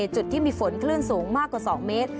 จุดที่มีฝนคลื่นสูงมากกว่า๒เมตร